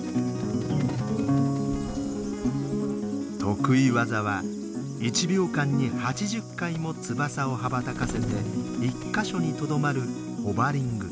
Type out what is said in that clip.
得意技は１秒間に８０回も翼を羽ばたかせて１か所にとどまるホバリング。